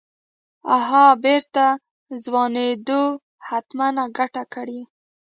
اها بېرته ځوانېدو حتمن ګته کړې.